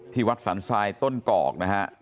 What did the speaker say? ที่วัดสรรสายต้นกอกนะฮะ